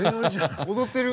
踊ってる！